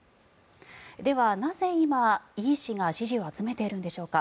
では、なぜ今、イ氏が支持を集めているのでしょうか。